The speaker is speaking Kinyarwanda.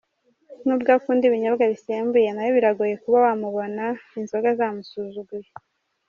Nubwo akunda ibinyobwa bisembuye, na we biragoye kuba wamubona inzoga zamusuzuguye.